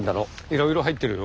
いろいろ入ってる？